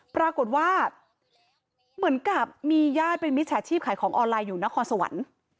ปรากฏว่าเหมือนกับมีญาติเป็นมิจฉาชีพขายของออนไลน์อยู่นครสวรรค์